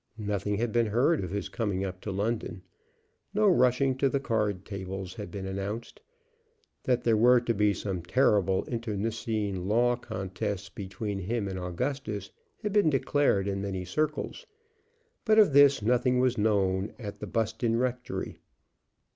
Nothing had been heard of his coming up to London. No rushing to the card tables had been announced. That there were to be some terrible internecine law contests between him and Augustus had been declared in many circles, but of this nothing was known at the Buston Rectory.